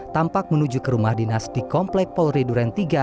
tampak menuju ke rumah dinas di komplek polri duren tiga